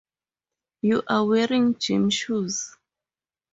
You are wearing gym shoes?